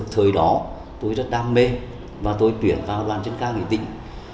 thời đó tôi rất đam mê và tôi tuyển vào đoàn dân ca nghệ tính